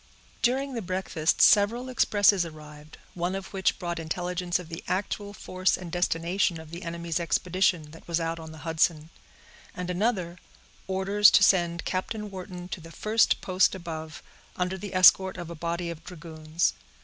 During the breakfast several expresses arrived, one of which brought intelligence of the actual force and destination of the enemy's expedition that was out on the Hudson; and another, orders to send Captain Wharton to the first post above, under the escort of a body of dragoons.